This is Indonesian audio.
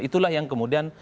itulah yang kemudian